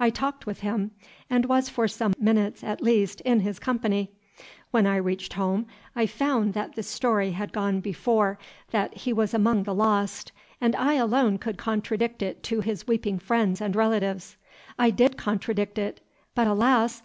I talked with him, and was for some minutes, at least, in his company. When I reached home, I found that the story had gone before that he was among the lost, and I alone could contradict it to his weeping friends and relatives. I did contradict it; but, alas!